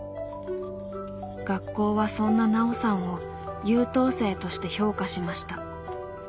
学校はそんなナオさんを「優等生」として評価しました。